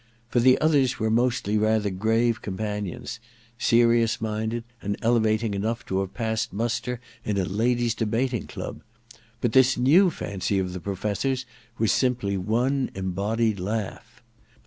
For the others were mostly rather grave companions, serious minded and elevating enough to have passed muster in a Ladies' Debating Club ; but this new fancy of the Professor's was simply one embodied laugh.